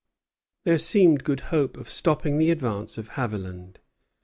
There seemed good hope of stopping the advance of Haviland.